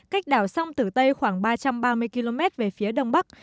cách đảo sông tử tây khoảng ba trăm ba mươi km về phía đông bắc